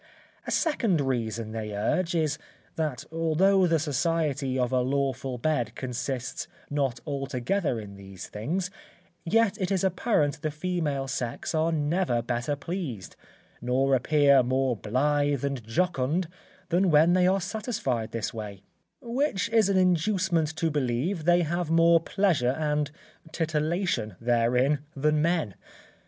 A second reason they urge is, that although the society of a lawful bed consists not altogether in these things, yet it is apparent the female sex are never better pleased, nor appear more blythe and jocund, than when they are satisfied this way; which is an inducement to believe they have more pleasure and titulation therein than men.